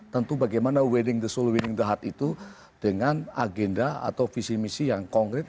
tentu bagaimana wedding the sol winning the heart itu dengan agenda atau visi misi yang konkret